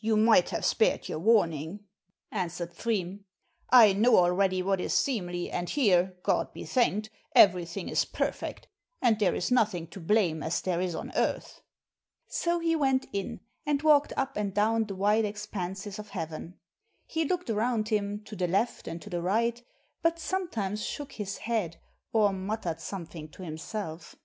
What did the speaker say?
"You might have spared your warning," answered Pfriem. "I know already what is seemly, and here, God be thanked, everything is perfect, and there is nothing to blame as there is on earth." So he went in, and walked up and down the wide expanses of heaven. He looked around him, to the left and to the right, but sometimes shook his head, or muttered something to himself.